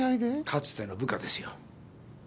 かつての部下ですよ。